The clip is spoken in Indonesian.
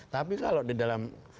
tapi kalau di dalam